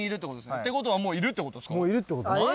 ってことは、もういるってことですか！？